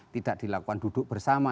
tidak dilakukan duduk bersama